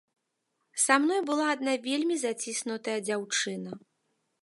Са мной была адна вельмі заціснутая дзяўчына.